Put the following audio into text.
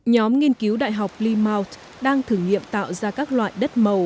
nhóm nghiên cứu đại học leemount đang thử nghiệm tạo ra các loại đất màu